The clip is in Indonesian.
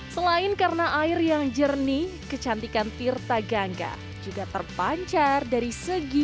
selain karena air yang jernih kecantikan tirta gangga juga terpancar dari segi